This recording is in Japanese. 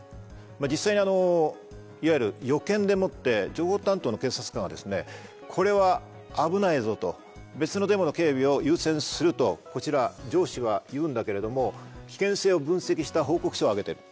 実際にいわゆる予見でもって情報担当の警察官がですねこれは危ないぞと別のデモの警備を優先するとこちら上司は言うんだけれども危険性を分析した報告書を上げてる。